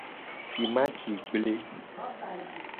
Timati gble.